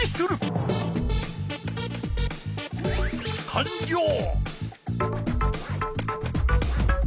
かんりょう！